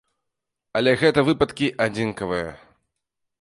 Але гэта выпадкі адзінкавыя.